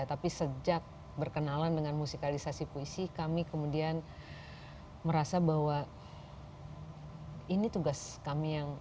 tapi sejak berkenalan dengan musikalisasi puisi kami kemudian merasa bahwa ini tugas kami yang